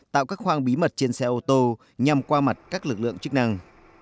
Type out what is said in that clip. tạo các khoang bí mật trên xe ô tô nhằm qua mặt các lực lượng chức năng